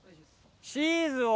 チーズを。